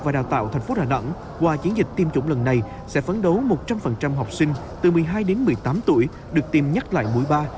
đại học đào tạo thành phố hà nẵng qua chiến dịch tiêm chủng lần này sẽ phấn đấu một trăm linh học sinh từ một mươi hai đến một mươi tám tuổi được tiêm nhắc lại mũi ba